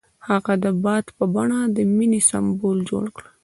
هغه د باد په بڼه د مینې سمبول جوړ کړ.